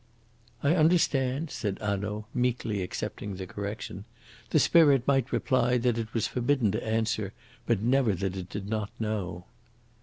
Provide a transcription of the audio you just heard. "I understand," said Hanaud, meekly accepting the correction. "The spirit might reply that it was forbidden to answer, but never that it did not know."